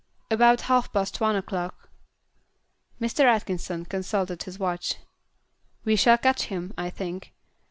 "About half past one o'clock." Mr. Atkinson consulted his watch. "We shall catch him, I think."